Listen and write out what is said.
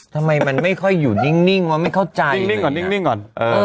ทำไมมันไม่ค่อยอยู่นิ่งมันไม่เข้าใจนิ่งก่อน